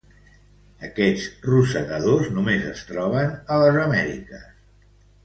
Aquests rosegadors només es troben a les Amèriques.